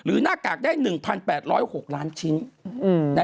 หน้ากากได้๑๘๐๖ล้านชิ้น